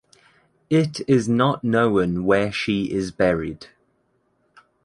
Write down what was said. It is not known where she is buried.